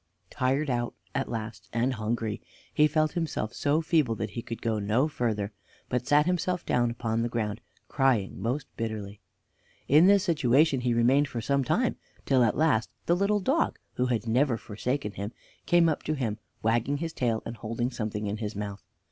Tired out at last and hungry, he felt himself so feeble that he could go no further, but sat himself down upon the ground, crying most bitterly. In this situation he remained for some time, till at last the little dog, who had never forsaken him, came up to him, wagging his tail, and holding something in his mouth.